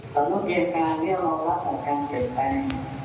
สำนักเรียนการเรียนรอบและสำนักเรียนเกี่ยวแพง